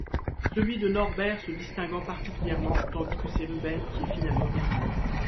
Celui de Norbert se distinguant particulièrement, tandis que c'est Ruben qui est finalement éliminé.